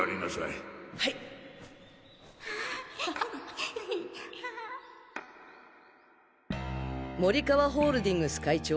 ハハッ森川ホールディングス会長